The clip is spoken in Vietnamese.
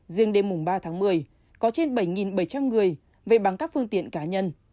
riêng đêm mùng ba tháng một mươi có trên bảy bảy trăm linh người về bằng các phương tiện cá nhân